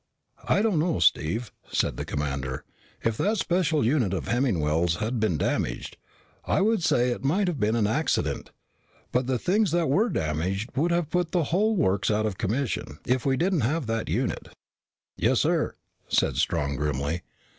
"I don't know, Steve," said the commander. "If that special unit of Hemmingwell's had been damaged, I would say it might have been an accident. But the things that were damaged would have put the whole works out of commission if we didn't have that unit." "Yes, sir," said Strong grimly.